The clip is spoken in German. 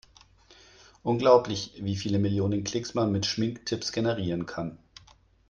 Unglaublich, wie viele Millionen Klicks man mit Schminktipps generieren kann!